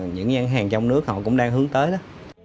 những gian hàng trong nước họ cũng đang hướng tới đó